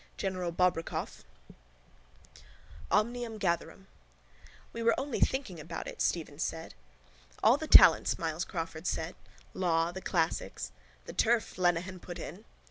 General Bobrikoff. OMNIUM GATHERUM —We were only thinking about it, Stephen said. —All the talents, Myles Crawford said. Law, the classics... —The turf, Lenehan put in.